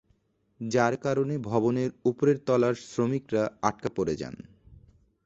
যার কারণে ভবনের উপরের তলার শ্রমিকরা আটকা পড়ে যান।